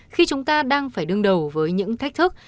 khi chúng ta đang phải đương đầu với những thách thức